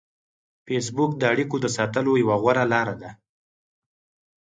فېسبوک د اړیکو د ساتلو یوه غوره لار ده